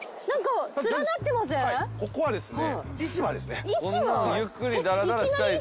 ここはですね。